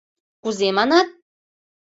Кузе, манат?